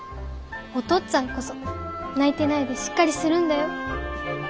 お父っつぁんこそ泣いてないでしっかりするんだよ。